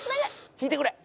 「引いてくれ！」